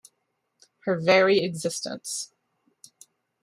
Her very existence.